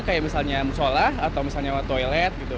kayak misalnya musola atau misalnya toilet gitu